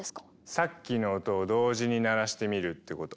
さっきの音を同時に鳴らしてみるってこと。